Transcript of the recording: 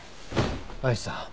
愛さん。